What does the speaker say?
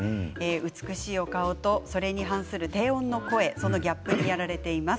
美しいお顔とそれに反する低音の声ギャップにやられています。